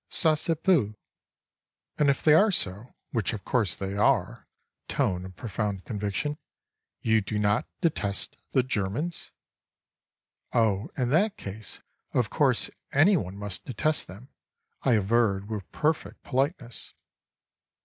"Ça se peut." "And if they are so, which of course they are" (tone of profound conviction) "you do not detest the Germans?" "Oh, in that case, of course anyone must detest them," I averred with perfect politeness.